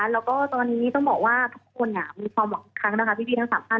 แล้วก็ตอนนี้ต้องบอกว่าทุกคนมีความหวังอีกครั้งนะคะพี่ทั้ง๓ท่าน